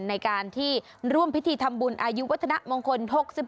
ในการที่ร่วมพิธีทำบุญอายุวัฒนมงคล๖๑